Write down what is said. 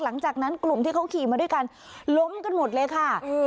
หลังจากนั้นกลุ่มที่เขาขี่มาด้วยกันล้มกันหมดเลยค่ะ